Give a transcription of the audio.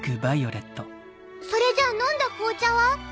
それじゃ飲んだ紅茶は？